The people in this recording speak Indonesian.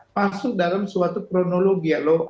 masuk dalam suatu kronologi ya loh